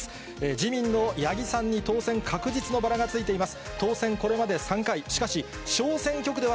自民の八木さんに当選確実のバラがついています。